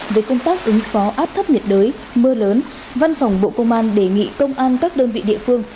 về công tác ứng phó áp thấp nhiệt đới mưa lớn văn phòng bộ công an đề nghị công an các đơn vị địa phương